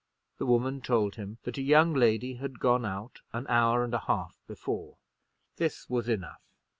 The woman told him that a young lady had gone out an hour and a half before. This was enough.